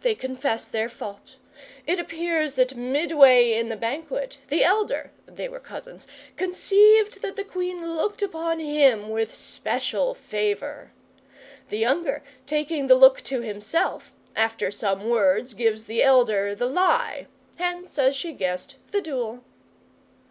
They confess their fault. It appears that midway in the banquet the elder they were cousins conceived that the Queen looked upon him with special favour. The younger, taking the look to himself, after some words gives the elder the lie. Hence, as she guessed, the duel.